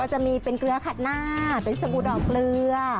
จะมีเป็นเกลือขัดหน้าเป็นสบู่ดอกเกลือ